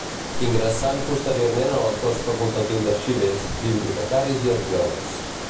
Ingressant posteriorment en el Cos Facultatiu d'Arxivers, Bibliotecaris i Arqueòlegs.